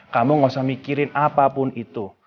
kamu gak usah mikirin apapun itu